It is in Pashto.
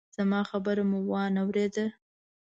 زما خبره مو وانه ورېده!